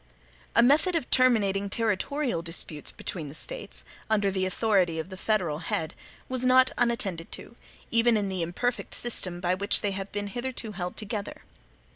A method of terminating territorial disputes between the States, under the authority of the federal head, was not unattended to, even in the imperfect system by which they have been hitherto held together.